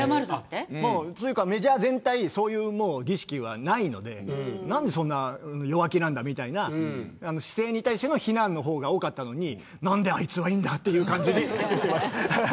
メジャー全体でそういう儀式はないのでなんでそんな弱気なんだみたいな姿勢に対しての非難の方が多かったのに何であいつはいいんだという感じで。